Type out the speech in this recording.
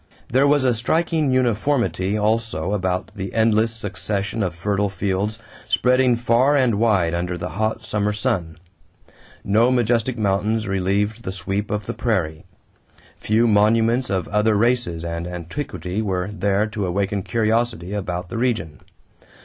There was a striking uniformity also about the endless succession of fertile fields spreading far and wide under the hot summer sun. No majestic mountains relieved the sweep of the prairie. Few monuments of other races and antiquity were there to awaken curiosity about the region.